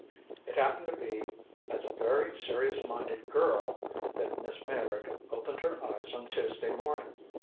It happened to be as a very serious minded girl that Miss Meyrick opened her eyes on Tuesday morning.